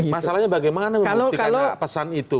masalahnya bagaimana membuktikan pesan itu